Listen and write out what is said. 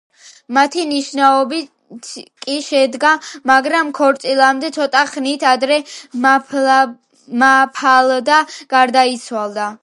მათი ნიშნობაც კი შედგა, მაგრამ ქორწილამდე ცოტა ხნით ადრე მაფალდა გარდაიცვალა.